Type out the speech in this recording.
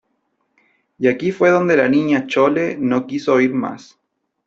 y aquí fué donde la Niña Chole no quiso oír más :